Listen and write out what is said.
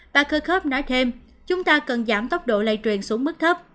bà kerkhoop nói thêm chúng ta cần giảm tốc độ lây truyền xuống mức thấp